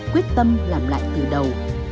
quyết tâm làm lại từ đầu